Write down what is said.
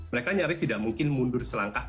mereka nyaris tidak mungkin mundur selangkah